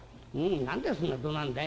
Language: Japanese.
「何でそんなどなるんだい？」。